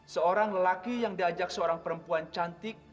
seorang lelaki yang diajak seorang perempuan cantik